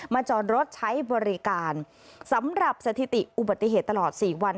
จอดรถใช้บริการสำหรับสถิติอุบัติเหตุตลอด๔วัน